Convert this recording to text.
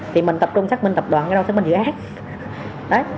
thì mình tập trung xác minh tập đoàn cái đâu xác minh dự án